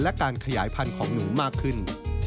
และการขยายพันธุ์ของหนูมากขึ้น